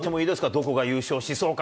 どこが優勝しそうか。